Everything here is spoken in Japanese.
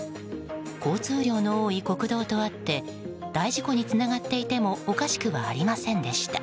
交通量の多い国道とあって大事故につながっていてもおかしくはありませんでした。